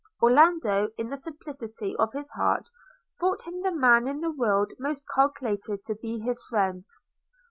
Orlando, in the simplicity of his heart, thought him the man in the world most calculated to be his friend.